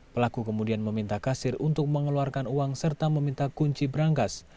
pelaku kemudian meminta kasir untuk mengeluarkan uang serta meminta kunci berangkas